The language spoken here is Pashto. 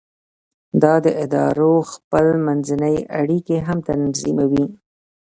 دا د ادارو خپل منځي اړیکې هم تنظیموي.